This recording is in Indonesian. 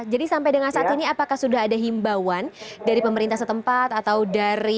jadi sampai dengan saat ini apakah sudah ada himbauan dari pemerintah setempat atau dari